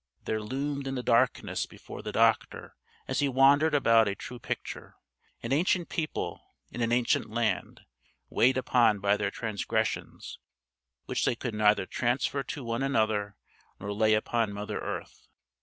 There loomed in the darkness before the doctor as he wandered about a true picture: an ancient people in an ancient land weighed upon by their transgressions which they could neither transfer to one another nor lay upon mother earth.